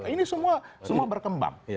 ini semua berkembang